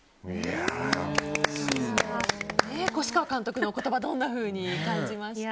越川監督の言葉どんなふうに感じました？